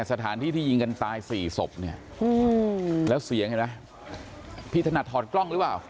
สถานที่ที่ยิงกันตายสี่ศพเนี่ยแล้วเสียงเห็นไหมพี่ถนัดถอดกล้องหรือเปล่า